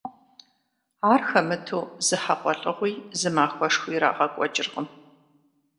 Ар хэмыту зы хьэгъуэлӏыгъуи, зы махуэшхуи ирагъэкӏуэкӏыркъым.